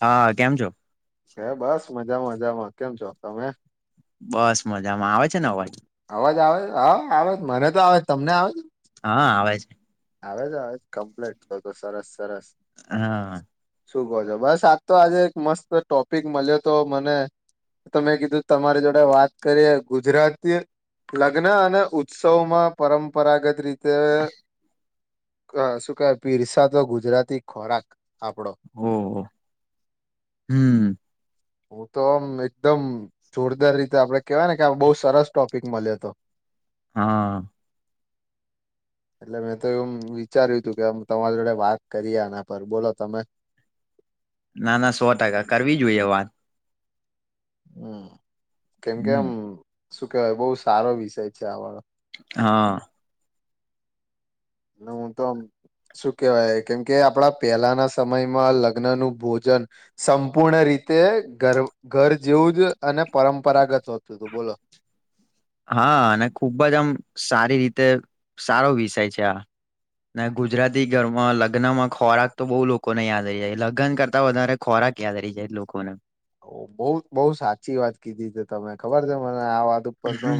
હા કેમ છો ક બસ મજ બધા બજા મા કેમ છો તમે બસ મજામાં આવે સેનો આવાજ અવાજ આવે હા આવે મને તો આવે તમને આવે હા આવે છે આવે જ આવે જ કમ્પ્લેટ તો તો સરસ સરસ હા સરસ શું કહો છો બસ આજ તો આજે એક મસ્ત ટોપિક મળ્યો તો મને તમે કીધું તમારી જોડે વાત કરીએ ગુજરાતી લગ્ન અને ઉત્સવમાં પરંપરાગત રીતે શું ક પીરસા તો ગુજરાતી ખોરાક આપણો ઓહ હમ હું તો આમ એકદમ જોરદાર રીતે આપડે કેવાયને કે આ બહુ સરસ ટોપ પીક મળલ્યા હતો હા. એટલે મેં તો એવું વિચાર્યું હતું, કે તમારી જોડે વાત કરીએ. એના પર બોલો તમે ના ના સો ટકા કરવી જોઈએ વાત. હમ્મ. કેમ કે હમ શું કેહેવાય બહુ સારો વિષય છે, આ વાળો હા. હું તો શું કેહેવાય કેમકે આપણા પહેલાના સમયમાં લગ્ન નું ભોજન સંપૂર્ણ રીતે ઘર ઘર જેવું જ અને પરંપરાગત હોતું હતું. બોલો. હા, અને ખૂબ જ આમ સારી રીતે સારો વિષય છે આ ગુજરાતી ઘરમાં લગ્ન માં ખોરાક તો બહુ લોકોને યાદ રહી જાય. લગ્ન કરતા વધારે ખોરાક યાદ રહી જાય લોકોને બઉ બઉ સાચી વાત કીધી છે, તમે ખબર તમારે આ વાત ઉપર તો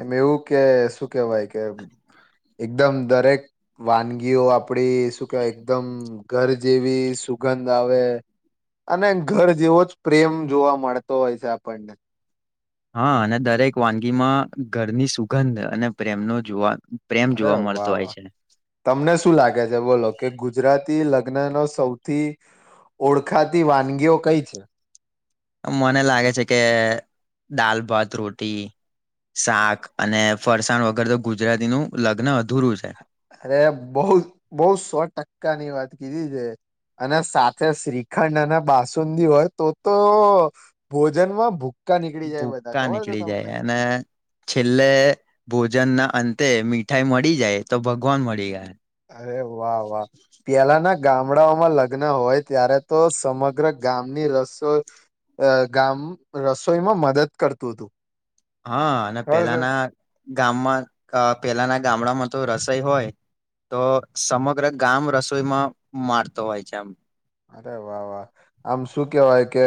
એમ એવું કે શું કેહેવાય કે એકદમ દરેક વાનગીઓ આપડી શું કેવાય એકદમ ઘર જેવી સુગંધ આવે અને ઘર જેવો જ પ્રેમ જોવા મળતો હોય છે, આપણને હા અને દરેક વાનગીમાં ઘરની સુગંધ અને પ્રેમનો જોવા. પ્રેમ અરે જોવા મળતો વાહ હોય વાહ છે તમને શું લાગે છે. બોલો કે ગુજરાતી લગ્ન ન સૌથી ઓળખાતી વાનગીઓ કઈ છે. મને લાગે છે કે દાલ, ભાત, રોટી, શાક અને ફરસાણ વગર તો ગુજરાતી નું લગ્ન અધૂરું છે. અરે બહુ બહુ સો ટકા ની વાત કીધી છે અને સાથે શ્રીખંડ અને બાસુંદી હોય તો તો ભોજનમાં ભૂ ભૂકા નીકળી જાય અને છેલ્લે ભોજન ના અંતે મીઠાઈ મળી જાય તો ભગવાન મળી જાય. અરે વાહ વાહ પ્યાલા ના ગામડાઓમાં લગ્ન હોય, ત્યારે તો સમગ્ર ગામની રસોઈ ગામ રસોઈમાં મદદ કરતું હતું. હા અને ખબર છે પેલાના ગામમાં પેલાના ગામડામાં જો રસોઈ હોય, તો સમગ્ર ગામ રસોઈમાં મારતો હોય છે આમ અરે વાહ વાહ આમ શું કેવાય કે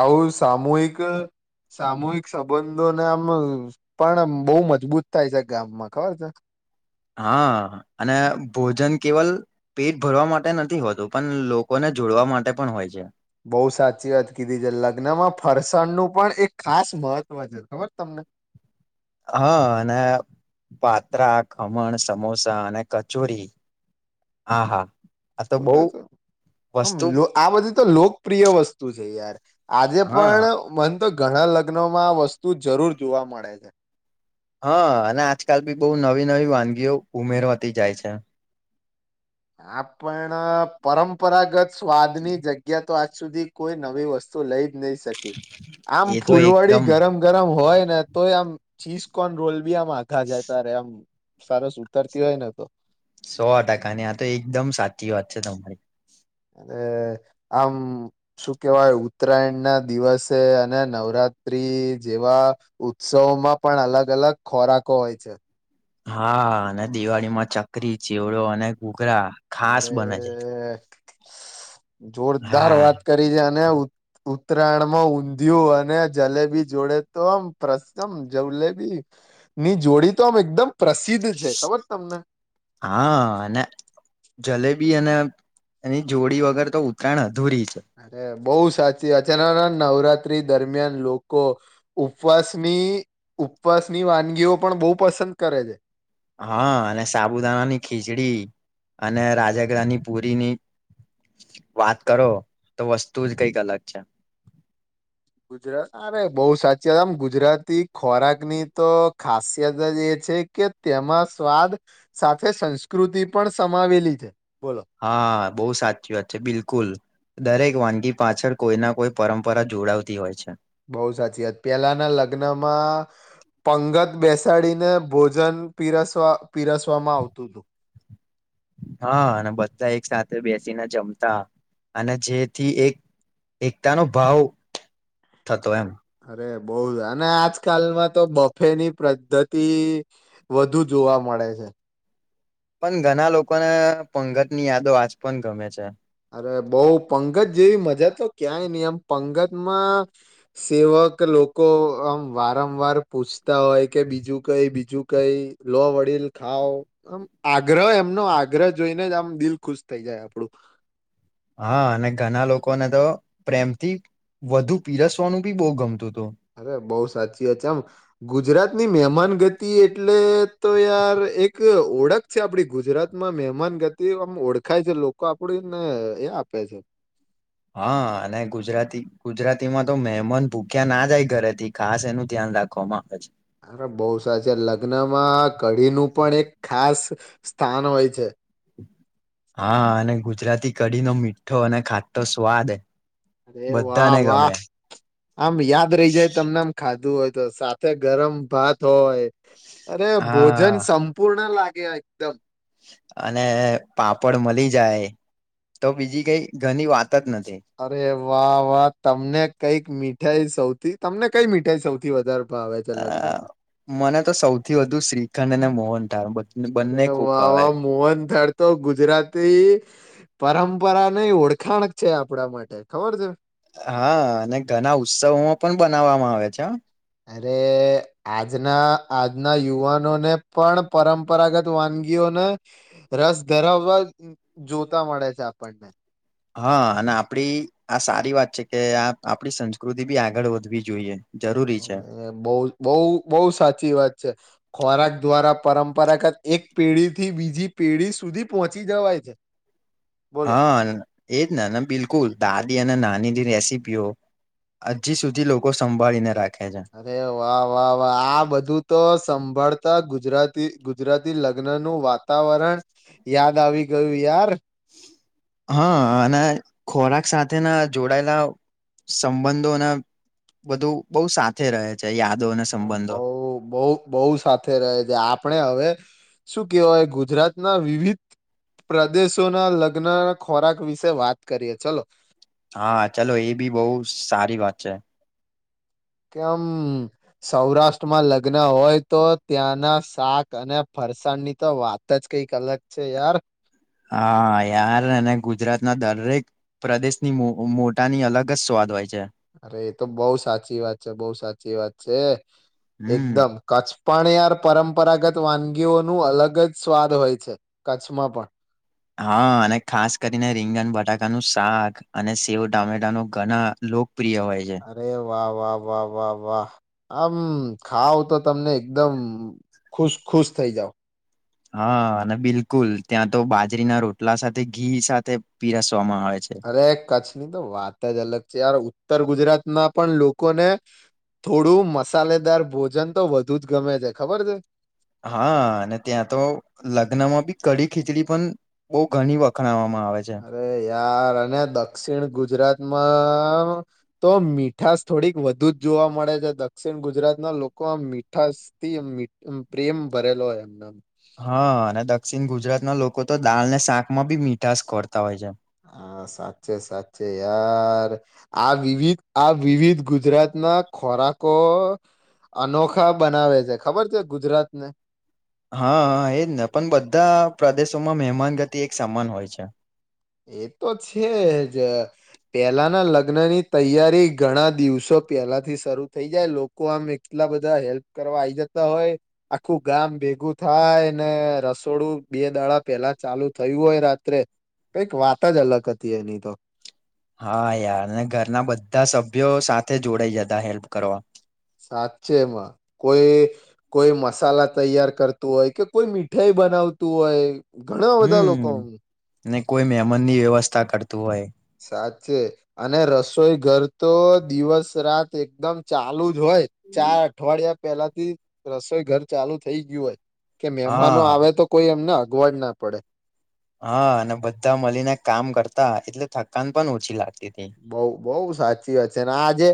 આવું સામૂહિક સામૂહિક સંબંધોને આમ પણ બહુ મજબૂત થાય છે, ગામમાં ખબર છે. હા અને ભોજન કેવલ પેટ ભરવા માટે નથી હોતું પણ લોકોને જોડવા માટે પણ હોય છે. બઉુ સાચી વાત કીધી છે લગ્નમાં ફરસાણનું પણ એક ખાસ મહત્વ છે ખબર તમને હા અને પાત્રા ખમણ સમોસા અને કચોરી. હા-હા. તો મ આ બધી તો લોકપ્રિય વસ્તુ છે. યાર. આજે હા પણ મ તો ઘણા લગ્નો માં આ વસ્તુ જરૂર જોવા મળે છે. હા અને આજકાલ બી બહુ નવી નવી વાનગીઓ ઉમેરવાતી જાય છે. આપણ પરંપરાગત સ્વાદની જગ્યા. તો આજ સુધી કોઈ નવી વસ્તુ લઈ નહી શકે આમ એ તો ફૂલવડી એકદમ ગરમ ગરમ હોય. તો આમ ચીઝકોન રોલ બી આમ આખા જાય ત ર આમ સારસ ઉતારતી હોય ને તો સો ટકા ની આ તો એકદમ સાચી વાત છે તમારી અને આમ શું કેહેવાય ઉત્તરાયણ ના દિવસે અને નવરાત્ર્રી જેવા ઉત્સવોમાં પણ અલગ અલગ ખોરાકો હોય છે હા અને દિવાળી માં ચકરી ચીવડો અને ઘૂઘરા ખાસ બને છે અરે જોરદાર હા વાત કરી છે અને ઉત્તરાયણમાં ઊંધિયું અને જલેબી જોડે તો આમ પ્રસમ જલેબી ની જોડી તો આમ એકદમ પ્રસિદ્ધ છે. ખબર તમને? હા અને જલેબી અને એની જોડી વગર તો ઉત્તરાયણ અધૂરી. છે અરે બહુ સાચી અચાનકના નવરાત્રી દરમિયાન લોકો ઉપવાસની ઉપવાસની વાનગીઓ પણ બહુ પસંદ કરે છે. હા અને સાબુદાણાની ખીચડી અને રાજગ્રની પુરીની વાત કરો તો વસ્તુ જ કઈક અલગ છે. ગુજરાત અરે બહુ સાચી આમ ગુજરાતી ખોરાકની તો ખાસિયત જ એ છે કે તેમાં સ્વાદ સાથે સંસ્કૃતિ પણ સમાવેલી છે. બોલો હા બહુ સાચી વાત છે બિલકુલ દરેક વાનગી પાછળ કોઈ ના કોઈ પરંપરા જોડાવતી હોય છે. બહુ સાચી વાત પહેલાના લગ્નમાં પંગત બેસાડીને ભોજન પીરસવા પીરસવામાં આવતું તું. હા અને બધા એક સાથે બેસીને જમતા અને જેથી એક એકતા નો ભાવ થતો એમ. બવ જ અને આજકાલમાં તો બફેની પદ્ધતિ વધુ જોવા મળે છે. પણ ઘણા લોકોને પંગત ની યાદો આજ પણ ગમે છે. અરે બઉ પંગત જેવી મજા તો ક્યાંય નહી એમ પંગતમાં સેવક લોકો આમ વારંવાર પૂછતા હોય કે બીજું કઈ બીજું કઈ લો વડીલ ખાવ આમ આગ્રહ એમનો આગ્રહ જોઈને જ આમ દિલ ખુશ થઈ જાય આપડું. હા અને ઘણા લોકોને તો પ્રેમથી વધુ પીરસવાનું બી બહુ ગમતું. હતું અરે બઉ સાચી વાત છે આમ ગુજરાત ની મહેમાન ગતિ એટલે તો યાર એક ઓળખ છે આપડી ગુજરાતમાં મહેમાન ગતિ આમ ઓળખાય છે લોકો આપણને એ આપે છે. હા અને ગુજરાતી ગુજરાતીમાં તો મહેમન ભૂખ્યા ના જાય ઘરેથી ખાસ એનું ધ્યાન રાખવામાં આવે છે. અરે બહુ સાચી લગ્નમાં કઢીનું પણ એક ખાસ સ્થાન હોય છે. કઢી નો મીઠો અને ખાટો સ્વાદ અરે વાહ બધાને વાહ ગમે આમ યાદ રહી જાય તમને આમ ખાધું હોય તો સાથે ગરમ ભાત હોય અરે ભોજન હા સંપૂર્ણ લા એકદમ. અને પાપડ મળી જાય તો બીજી કઈ ઘણી વાત જ નથી અરે વાહ વાહ તમને કઈક મીઠાઈ સૌ થી તમને કઈ મીટાઈ સૌથી વધારે ભાવે છે અ લગ્નમાં મને તો સૌથી વધુ શ્રીખંડ અને મો અરે વાહ વાહ મોહનથાર તો ગુજરાતી પરંપ પરાની ઓળખાણક છે આપણા માટે ખબર છે? હા અને ઘણા ઉત્સવોમાં પણ બનાવવામાં આવે છે હા. અરે આજના આજના યુવાનોને પણ પરંપરાગત વાનગીઓને રસ ધરાવવા જોતા મળે છે આપણને. હા અને આપડી આ સારી વાત છે કે આપડી સંસ્કૃતિ બી આગળ વધવી જોઈએ. જરૂરી છે એ બવ બવ બહુ સાચી વાત છે. ખોરાક દ્વારા પરંપરાગત એક પેઢી થી બીજી પેઢી સુધી પહોંચી જવાય છે. બોલો. હા એજ ને ને બિલકુલ દાદી અને નાનીની રેસી પીઓ હજી સુધી લોકો સંભાળીને રાખે. છે અરે વાહ વાહ વાહ આ બધું તો સંભાળતા ગુજરાતી ગુજરાતી લગ્ન નું વાતાવરણ યાદ આવી ગયું યાર હા અને ખોરાક સાથેના જોડાયેલા સંબંધોના બધું બહ સાથે રહે છે યાદો અને સંબંધો. બહ બહ બહ સાથે રહે છે આપણે હવે શું કેવાય ગુજરાતના વિવિધ પ્રદેશોના લગ્ન ખોરાક વિશે વાત કરીએ ચલો હા ચાલો એ બી બહુ સારી વાત છે કેમ સૌરાષ્ટ્રમાં લગ્ન હોય તો ત્યાંના શાક અને ફરસાણની તો વાત જ કઈક અલગ છે યાર હા યાર અને ગુજરાત ના દરેક પ્રદેશની મોટાની અલગ જ સ્વાદ હોય છે અરે એ તો બઉુ સાચી વાત છે બહુ સાચી વાત છે હમ્મ. એકદમ કચ પણ યાર પરંપરાગત વાનગીઓનું અલગ જ સ્વાદ હોય છે કચ્છમાં પણ હા અને ખાસ કરીને રીંગણ બટાકાનુંું શાક અને સેવ ટામેટા ન ઘણા લો પ્રિય હોય છે અરે વાહ વાહ વાહ વાહ વાહ આમ ખાવ તો તમને એકદમ ખુશ ખુશ થઇ જાાવ હા અને બિલકુલ ત્યાં તો બાજરીના રોટલા સાથે ઘી સાથે પીરાસ અરે કચ્છ ની તો વાત જ અલગ છે યાર ઉત્તર ગુજરાતમાં પણ લોકોને થોડું મસાલેદાર ભોજન તો વધુ જ ગમે છે ખબર છે હા અને ત્યાં તો લગ્ન માં બી કડી ખીચડી પણ બહુ ઘણી વખત અરે યાર અને દક્ષિણ ગુજરાતમાં તો મીઠાસ થોડીક વધુ જ જોવા મળે છે દક્ષિણ ગુજરાત ના લોકો આ મીઠાસ થી પ્રેમ ભરેલો હોય એમને હા અને દક્ષિણ ગુજરાત ના લોકો તો દાળ ને શાકમાં બી મીઠાશ ખોરતા હોય છે હા સાચ છે સાચે યાર આ વિવિધ આ વિવિધ ગુજરાત ના ખોરાકો અનોખા બનાવે છે ખબર છે ગુજરાતને હા એજ ને પણ બધા પ્રદેશોમાં મહેમાન ગતિ એક સમાન હોય છે એ તો છેજ પેલાના લગ્ન ની તૈયારી ઘણા દિવસો પહેલા થી શરૂ થઈ જાય લોકો આમ એટલા બધા હેલ્પ કરવા આવીઈ જતા હોય આખું ગામ ભેગું થાય ને રસોડું બે દાડા પેલા ચાલુ થયું હોય રાત્રે કઈક વાત જ અલગ હતી એની તો હા યાર ઘરના બધા સભ્યો સાથે જોડાઈ જતા હેલ્પ કરવા સાચ છે એમાં કોઈ કોઈ મસાલા તૈયાર કરતું હોય કે કોઈ મીઠાઈ બનાવતું હોય ઘણા બધા લોકો હમ ને કોઈ મહેમન ની વ્યવસ્થા કરતું હોય સાચે અને રસોઈ ઘર તો દિવસ રાત એકદમ ચાલુ જ રય ચાર અઠવાડિયા પેલા થી રસોઈ ઘર ચાલુ થઈ ગયું હોય કે મહેમાનો હા આવે તો કોઈ એમ ના ગોડ ના પડે હા અને બધા મળીને કામ કરતા એટલે થકાન પણ ઓછી લાગતી હતી. બઉ બઉ સાચી વાત છે ને આજે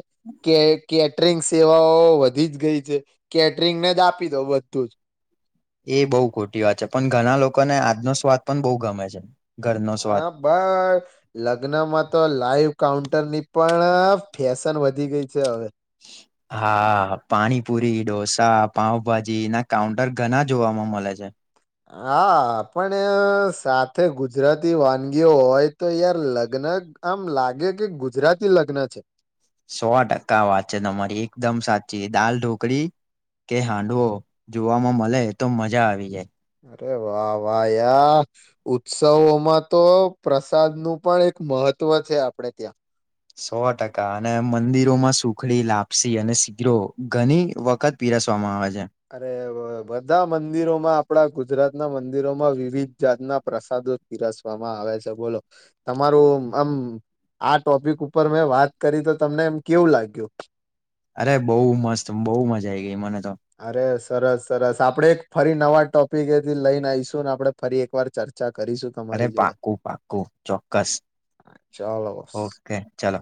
કે કેટરિંગસ સેવાઓ વધી જ ગઈ છે. કેટરિંગને જ આપી દો બધું જ એ બહુ ખોટી વાત છે. પન ઘણા લોકોને આજનો સ્વાદ પન બહુ ગમે છે. ઘરનો સ્વાદ હા બસ લગ્નમાં તો લાઈવ કાઉન્ટ ટર ની પણ ફેશન વધી ગઈ છે હવે. હા પાણીપુરી, ઢોસા, પાઉંભાજીના કાઉન્ટર ઘના જોવામાં મલે છે. હા પણ સાથે ગુજરાતી વાનગીઓ હોય તો યાર લગ્ન આમ લાગે કે ગુજરાતી લગ્ન છે. સો ટકા વાત છે તમારી એકદમ સાચી દાલ ઢોકળી કે હાંડવો જોવામાં મલે તો મજા આવી જાય. અરે વા વા યા ઉત્સવોમાં તો પ્રસાદનું પણ એક મહત્વ છે આપણેે ત્યાં સો ટકા અને મંદિરોમાં સુખડી, લાપસી અને શીરો ઘની વખત પીરસવામાં આવે છ અરે બધા મંદિરોમાં આપણા ગુજરાત ના મંદિરોમાં વિવિધ જાતના પ્રસાદો પીરસવામાં આવે છે બોલો તમારું આમ આ ટોપિક ઉપર મેં વાત કરી તો તમને એમ કેવું લાગ્યું? અરે બહુ મસ્ત બહુ મજા આઈ ગઈ મને તો અરે સરસ સરસ આપણેે એક ફરી નવા ટોપિક એથી લઈને આઈશું ને આપણે ફરી એકવાર ચર્ચા કરીશું અરે તમારી જોડે પાકું પાકું ચોક્કસ. ચાલો ઓકે ચલો.